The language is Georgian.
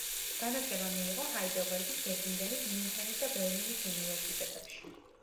განათლება მიიღო ჰაიდელბერგის, გეტინგენის, მიუნჰენის და ბერლინის უნივერსიტეტებში.